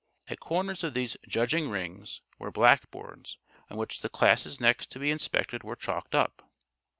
At corners of these "judging rings" were blackboards on which the classes next to be inspected were chalked up.